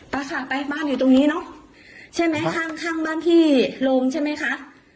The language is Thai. ค่ะไปบ้านอยู่ตรงนี้เนอะใช่ไหมข้างข้างบ้านพี่โรงใช่ไหมคะ